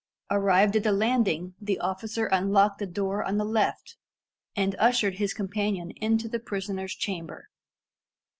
Arrived at the landing, the officer unlocked a door on the left, and ushered his companion into the prisoner's chamber.